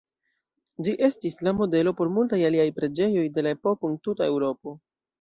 Ĝi estis la modelo por multaj aliaj preĝejoj de la epoko en tuta Eŭropo.